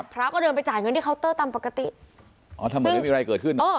พระก็เดินไปจ่ายเงินที่เคาน์เตอร์ตามปกติอ๋อทำเหมือนไม่มีอะไรเกิดขึ้น